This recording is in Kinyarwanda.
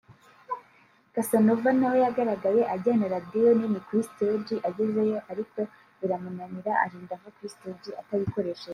Cassanova nawe yagaragaye ajyana radiyo nini kuri stage agezeyo ariko iramunanira arinda ava kuri stage atayikoresheje